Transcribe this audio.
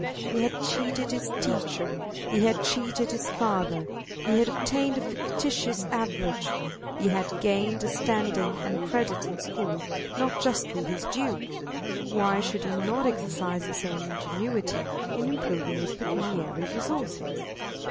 He had cheated his teacher; he had cheated his father; he had obtained a fictitious average; he had gained a standing and credit in school not justly his due; why should he not exercise the same ingenuity in improving his pecuniary resources?